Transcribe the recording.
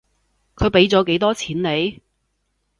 佢畀咗幾多錢你？